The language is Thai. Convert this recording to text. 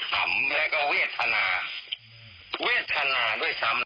ำแล้วก็เวทนาเวทนาด้วยซ้ำ